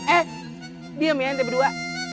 eh diem ya lantai berdua